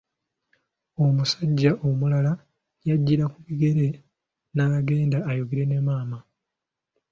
Omusajja omulala yajjira ku bigere n'agenda ayogera ne maama.